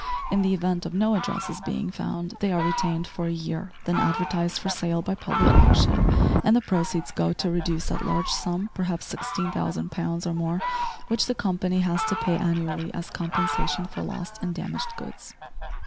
In the event of no addresses being found they are retained for a year, then advertised for sale by public auction, and the proceeds go to reduce that large sum perhaps 16,000 poundss or more which the company has to pay annually as compensation for lost and damaged goods.